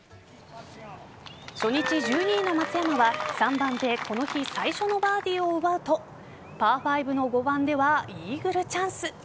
初日１２位の松山は３番でこの日最初のバーディーを奪うとパー５の５番ではイーグルチャンス。